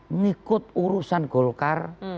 mengikut urusan golkar